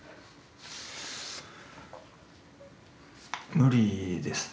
無理ですね。